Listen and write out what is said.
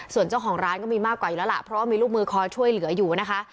ส่วนเจ้าของร้านก็มีมากกว่าอยู่แล้วล่ะเพราะว่ามีลูกมือคอยช่วยเหลืออยู่นะคะ